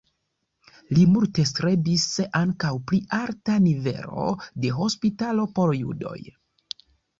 Li multe strebis ankaŭ pri alta nivelo de hospitalo por judoj.